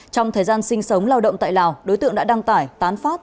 trong thời gian sinh sống lao động tại lào đối tượng đã đăng tải tán phát